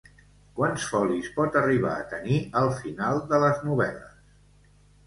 Quants folis pot arribar a tenir el final de les novel·les?